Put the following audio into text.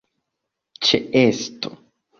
ĉeesto